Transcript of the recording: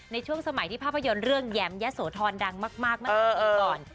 ในช่วงสมัยที่ภาพยนตร์เรื่องแยมยะโสธรดังมากเมื่อ๓ปีก่อน